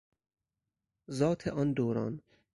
ذات آن دوران